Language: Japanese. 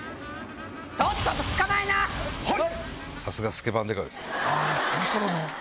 はい！